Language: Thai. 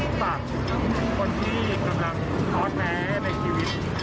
คนที่กำลังทอดแนวในชีวิต